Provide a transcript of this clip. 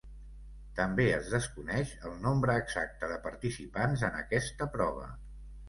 També es desconeix el nombre exacte de participants en aquesta prova.